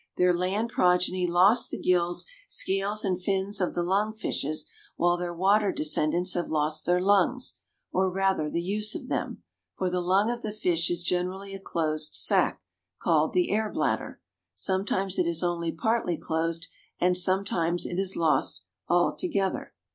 Their land progeny lost the gills, scales and fins of the lung fishes, while their water descendants have lost their lungs, or rather the use of them, for the lung of the fish is generally a closed sac, called the air bladder. Sometimes it is only partly closed, and sometimes it is lost altogether.